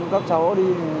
các cháu nó đi